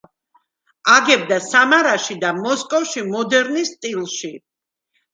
აგებდა სამარაში და მოსკოვში მოდერნის სტილში.